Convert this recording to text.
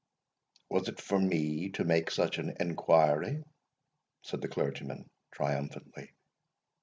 "Was it for me to make such inquiry?" said the clergyman, triumphantly.